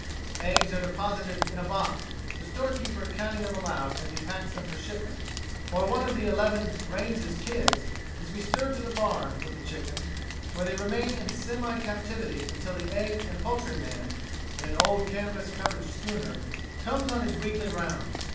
The eggs are deposited in a box, the storekeeper counting them aloud as he packs them for shipment; or one of the eleven Rains' "kids" is bestirred to the barn with the chickens, where they remain in semi captivity until the egg and poultry man, in an old canvas covered schooner, comes on his weekly rounds.